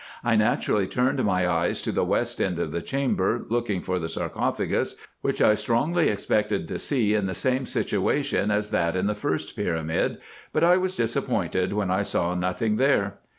I naturally turned my eyes to the west end of the chamber, looking for the sarcophagus, which I strongly expected to see in the same situation as that in the first pyramid ; but I was disappointed when I saw nothing there.